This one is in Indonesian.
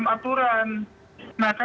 bagaimana kayaknya kejelasan dalam aturan